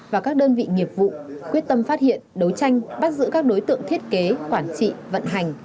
và các đơn vị nghiệp vụ quyết tâm phát hiện đấu tranh bắt giữ các đối tượng thiết kế quản trị vận hành